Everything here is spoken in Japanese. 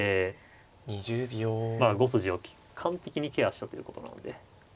５筋を完璧にケアしたということなので。